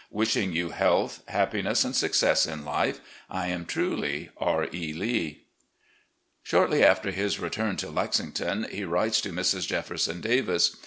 Wishing you health, happiness, and success in life, I am truly, "R. E. Lee." Shortly after his return to Lexington, he writes to Mrs. Jefferson Davis.